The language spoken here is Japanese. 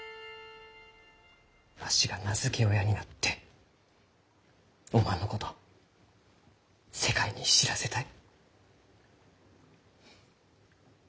わしが名付け親になっておまんのこと世界に知らせたい。